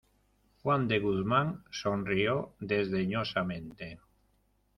juan de Guzmán sonrió desdeñosamente: